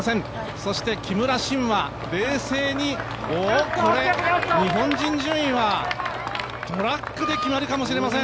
そして木村慎は冷静に、日本人順位はトラックで決まるかもしれません。